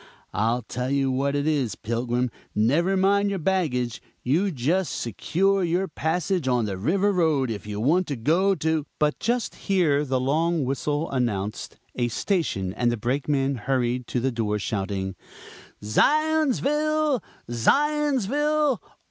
I tell you what it is, Pilgrim, never mind your baggage, you just secure your passage on the River Road if you want to go to " But just here the long whistle announced a station, and the Brakeman hurried to the door, shouting "Zions VILLE! ZIONS ville!